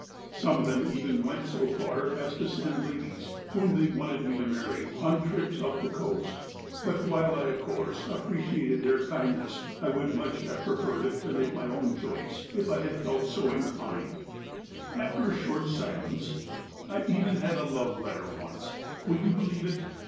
Some of them even went so far as to send ladies, whom they wanted me to marry, on trips up the coast. But while I of course appreciated their kindness, I would much have preferred to make my own choice, if I had felt so inclined." 372 THE APOSTLE OF ALASKA After a short silence : ^'I even bad a love letter once. Would you believe it